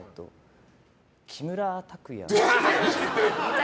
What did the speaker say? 木村拓哉。